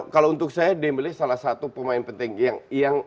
kalau untuk saya demily salah satu pemain penting